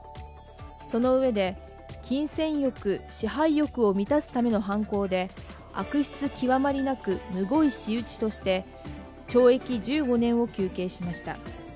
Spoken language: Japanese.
そのうえで、金銭欲、支配欲を満たすための犯行で悪質極まりなくむごい仕打ちとして懲役１５年を求刑しました。